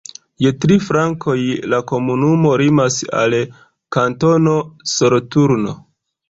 Je tri flankoj la komunumo limas al Kantono Soloturno.